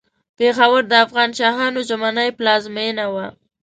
پېښور د افغان شاهانو ژمنۍ پلازمېنه وه.